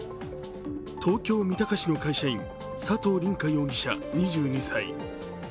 東京・三鷹市の会社員、佐藤凛果容疑者２２歳。